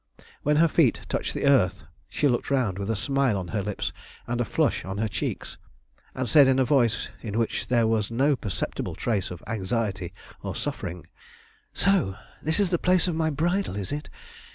When her feet touched the earth she looked round with a smile on her lips and a flush on her cheeks, and said, in a voice in which there was no perceptible trace of anxiety or suffering "So this is the place of my bridal, is it?